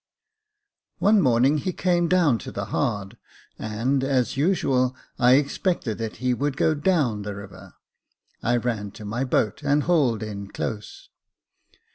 One morning he came down to the hard, and, as usual, I expected that he would go down the river. I ran to my boat, and hauled in close.